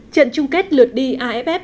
trận chung kết lượt đi afpb